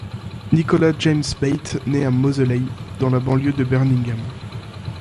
Nicholas James Bates nait à Moseley, dans la banlieue de Birmingham.